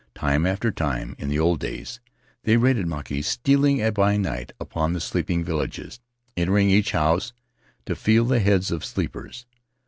Time after time, in the old days, they raided Mauke, stealing by night upon the sleeping villages, entering each house to feel the heads of the sleepers.